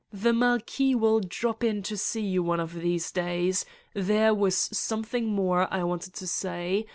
The Marquis will drop in to see you one of these days. There was something more I wanted to say.